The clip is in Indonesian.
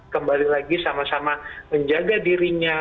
kembali lagi sama sama menjaga dirinya